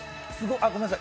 あ、ごめんなさい。